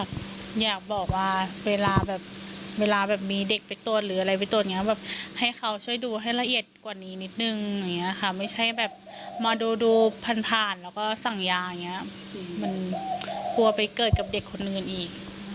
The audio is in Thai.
อยากบอกว่าเวลาแบบเวลาแบบมีเด็กไปตรวจหรืออะไรไปตรวจอย่างเงี้แบบให้เขาช่วยดูให้ละเอียดกว่านี้นิดนึงอย่างนี้ค่ะไม่ใช่แบบมาดูดูผ่านผ่านแล้วก็สั่งยาอย่างนี้มันกลัวไปเกิดกับเด็กคนอื่นอีก